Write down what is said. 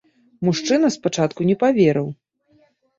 Мужчына спачатку не паверыў.